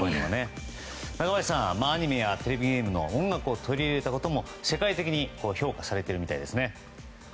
中林さんアニメやテレビゲームの音楽を取り入れたことも世界的に評価されているみたいですね。